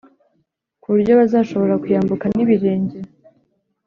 ku buryo bazashobora kuyambuka n’ibirenge.